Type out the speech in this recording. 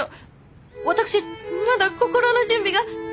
私まだ心の準備が！